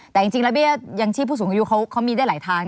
แต่จริงแล้วเบี้ยยังชีพผู้สูงอายุเขามีได้หลายทาง